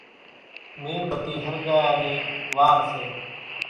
ميڻ ٻتي ۿرڳايا نِي وار سي